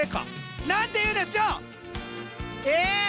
何ていうでしょう？え！？